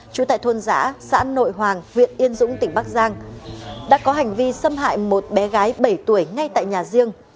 trú tại thôn giã xã nội hoàng huyện yên dũng tỉnh bắc giang đã có hành vi xâm hại một bé gái bảy tuổi ngay tại nhà riêng